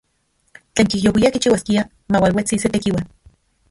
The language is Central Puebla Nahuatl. Tlen kijyouia kichiuaskia maualuetsi se tekiua.